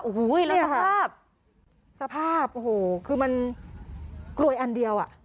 โอ้โหแล้วสภาพสภาพโอ้โหคือมันกลวยอันเดียวอ่ะ